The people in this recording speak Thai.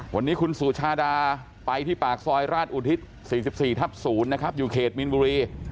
วันนี้คุณสุชาดาไปที่ปากซอยราชอุทิศ๔๔ทับ๐นะครับอยู่เขตมีนบุรี